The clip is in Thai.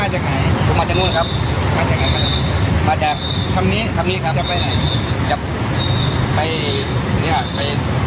มีรถจักรยานยนต์อยู่ข้างหน้าเนี้ยมีภาพอย่างที่เห็นในกล้องมุมจรปิด